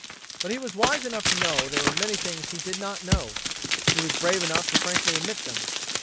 But he was wise enough to know there were many things he did not know. He was brave enough to frankly admit them.